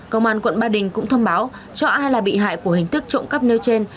công an quận ba đình cũng thông báo cho ai là bị hại của hình thức trộm cắp nêu trên